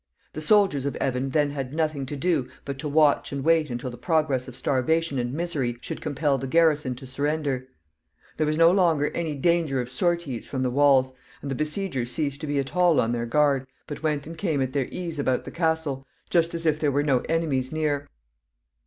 The soldiers of Evan then had nothing to do but to watch and wait until the progress of starvation and misery should compel the garrison to surrender. There was no longer any danger of sorties from the walls, and the besiegers ceased to be at all on their guard, but went and came at their ease about the castle, just as if there were no enemy near.